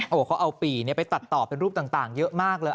บอกว่าเขาเอาปี่ไปตัดต่อเป็นรูปต่างเยอะมากเลย